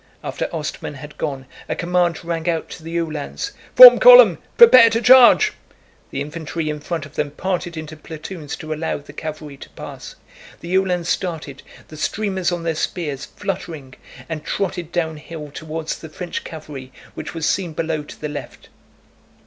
After Ostermann had gone, a command rang out to the Uhlans. "Form column! Prepare to charge!" The infantry in front of them parted into platoons to allow the cavalry to pass. The Uhlans started, the streamers on their spears fluttering, and trotted downhill toward the French cavalry which was seen below to the left.